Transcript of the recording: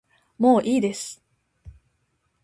もういいです